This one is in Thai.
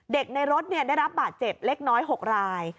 ในรถได้รับบาดเจ็บเล็กน้อย๖ราย